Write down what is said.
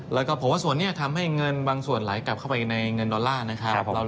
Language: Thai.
แล้วก็ผมว่าส่วนนี้ทำให้เงินบางส่วนไหลกลับเข้าไปในเงินดอลลาร์นะครับ